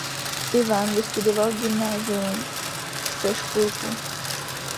Ivan vystudoval gymnázium v Prešpurku.